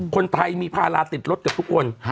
คนไทยมีภาระติดรถกับทุกคน